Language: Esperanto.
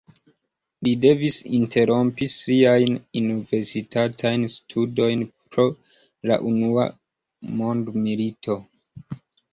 Li devis interrompi siajn universitatajn studojn pro la unua mondmilito.